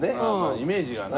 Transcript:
イメージがな。